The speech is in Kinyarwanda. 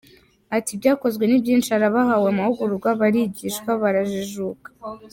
Ati “Ibyakozwe ni byinshi, hari abahawe amahugurwa barigishwa barajijuka.